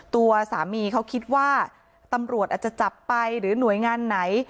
ตัวสามีเขาคิดว่าตำรวจอาจจะจับไปหรือหน่วยงานไหน